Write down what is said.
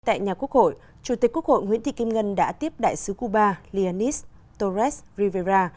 tại nhà quốc hội chủ tịch quốc hội nguyễn thị kim ngân đã tiếp đại sứ cuba lianis torres rivera